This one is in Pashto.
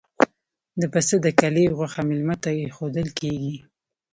د پسه د کلي غوښه میلمه ته ایښودل کیږي.